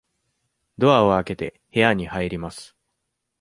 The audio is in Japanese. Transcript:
ドアを開けて、部屋に入ります。